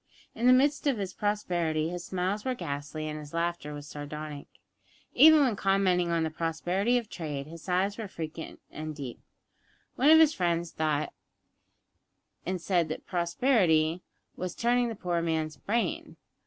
In the midst of his prosperity his smiles were ghastly and his laughter was sardonic. Even when commenting on the prosperity of trade his sighs were frequent and deep. One of his friends thought and said that prosperity was turning the poor man's brain.